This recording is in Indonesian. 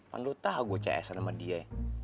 pernah lo tahu gue ceeson sama dia ya